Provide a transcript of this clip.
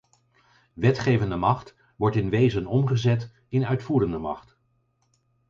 Wetgevende macht wordt in wezen omgezet in uitvoerende macht.